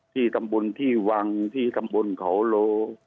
ที่ตำบลที่วังที่ตำบลเขาโล